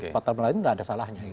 pasal pertama lagi enggak ada salahnya